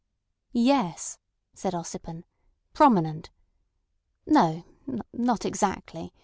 "Yes," said Ossipon. "Prominent. No, not exactly.